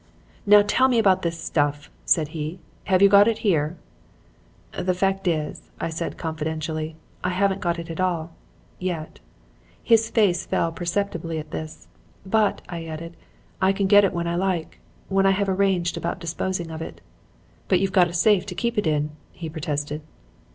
"'Now tell me about this stuff,' said he. 'Have you got it here?' "'The fact is,' I said confidentially, 'I haven't got it at all yet' (his face fell perceptibly at this), 'but,' I added, 'I can get it when I like; when I have arranged about disposing of it.' "'But you've got a safe to keep it in,' he protested.